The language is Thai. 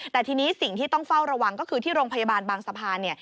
แต่ทีนี้สิ่งที่ต้องเฝ้าระวังก็คือที่โรงพยาบาลบางสะพานเนี่ย